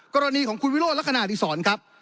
กรณีของคุณวิโรธลักษณะอดีศรครับ